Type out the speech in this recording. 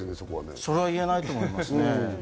それは言えないと思いますけどね。